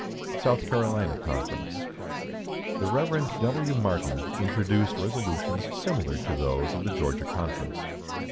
SOUTH CAROLINA CONFERENCE. The Rev. W. Martin introduced resolutions similar to those of the Georgia Conference.